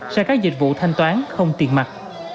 do các dịch vụ thanh toán không tiền mặt